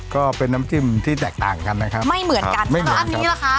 ก็เป็นน้ำจิ้มที่แตกต่างกันนะครับไม่เหมือนกันไม่ค่ะอันนี้ล่ะคะ